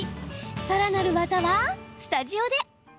さらなる技はスタジオで。